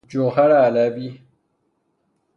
جوهر علوی